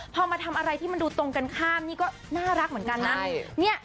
พอมาทำอะไรที่มันดูตรงกันข้ามนี่ก็น่ารักเหมือนกันนะ